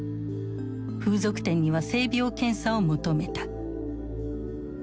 風俗店には性病検査を求めた。